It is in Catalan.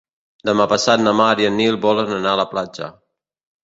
Demà passat na Mar i en Nil volen anar a la platja.